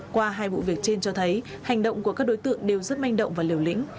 qua hai vụ việc trên cho thấy hành động của các đối tượng đều rất manh động và liều lĩnh